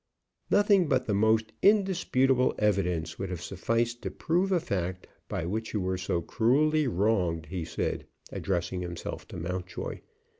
"Nothing but the most indisputable evidence would have sufficed to prove a fact by which you were so cruelly wronged," he said, addressing himself to Mountjoy.